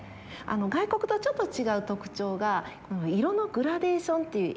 外国とちょっと違う特徴が色のグラデーションっていう。